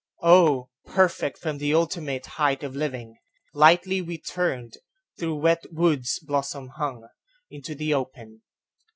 Oh, perfect from the ultimate height of living, Lightly we turned, through wet woods blossom hung, Into the open.